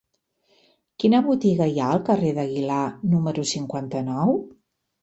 Quina botiga hi ha al carrer d'Aguilar número cinquanta-nou?